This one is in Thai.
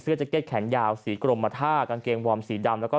แจ็กเก็ตแขนยาวสีกรมท่ากางเกงวอร์มสีดำแล้วก็